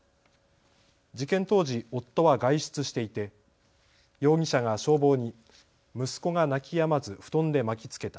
事件当時、夫は外出していて容疑者が消防に息子が泣きやまず布団で巻きつけた。